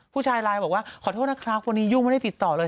ผู้ชายไลน์บอกว่าขอโทษนะครับวันนี้ยุ่งไม่ได้ติดต่อเลย